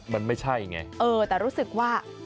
มันไม่ใช่ไงเออแต่รู้สึกว่า